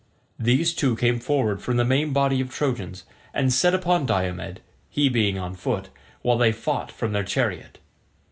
These two came forward from the main body of Trojans, and set upon Diomed, he being on foot, while they fought from their chariot.